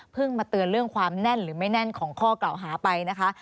มาเตือนเรื่องความแน่นหรือไม่แน่นของข้อกล่าวหาไปนะคะ